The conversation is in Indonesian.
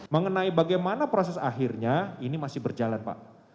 mengenai bagaimana proses akhirnya ini masih berjalan pak